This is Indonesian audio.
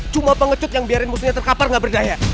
cuma pengecut yang biarin musuhnya terkapar nggak berdaya